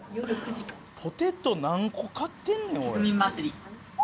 ポテト何個買ってんねんおい。